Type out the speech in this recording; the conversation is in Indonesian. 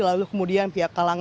lalu kemudian pihak kalangan